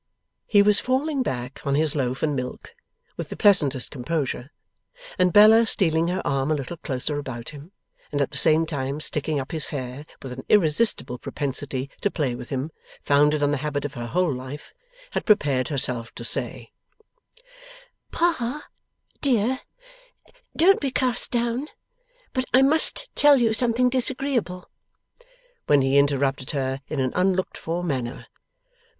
He was falling back on his loaf and milk, with the pleasantest composure, and Bella stealing her arm a little closer about him, and at the same time sticking up his hair with an irresistible propensity to play with him founded on the habit of her whole life, had prepared herself to say: 'Pa dear, don't be cast down, but I must tell you something disagreeable!' when he interrupted her in an unlooked for manner.